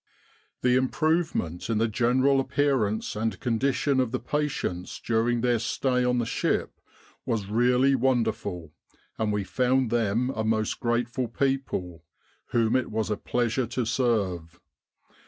The improvement in the general appearance and condition of the patients during their stay on the ship was really wonderful, and we found them a most grateful people, whom it was a pleasure to serve.